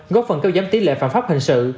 góp phần kêu giám tí lệ phản pháp hình sự